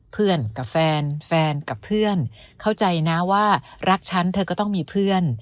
กับแฟนแฟนกับเพื่อนเข้าใจนะว่ารักฉันเธอก็ต้องมีเพื่อน